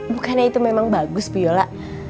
bukannya itu memang bagus viola